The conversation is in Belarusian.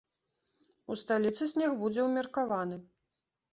У сталіцы снег будзе ўмеркаваны.